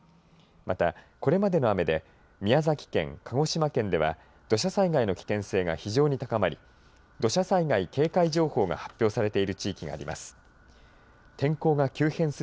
また、これまでの雨で宮崎県鹿児島県では土砂災害の危険性が非常に高まり土砂災害警戒情報が発表されている地域があります。